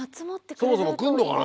そもそも来んのかな？